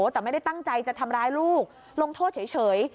แต่ไม่ได้ตั้งใจจะทำร้ายลูกลงโทษเฉย